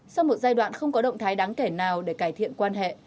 sau một giai đoạn không có động thái đáng kể nào để cải thiện quan hệ